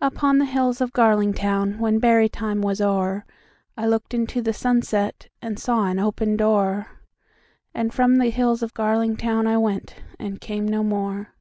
Upon the hills of GarlingtownWhen berry time was o'er,I looked into the sunset, And saw an open door, And from the hills of GarlingtownI went, and came no more.